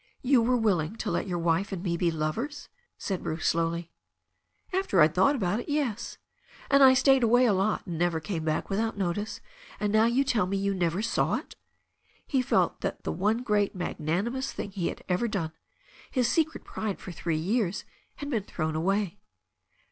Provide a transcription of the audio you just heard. "You were willing to let your wife and me be lovers?" said Bruce slowly. "After I'd thought about it, yes. And I stayed away a lot, and never came back without notice, and now you tell me you never saw it." He felt that the one great, magnanimous thing he had ever done, his secret pride for three years, had been thrown away.